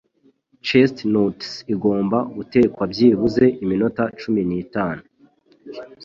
Chestnuts igomba gutekwa byibuze iminota cumi n'itanu.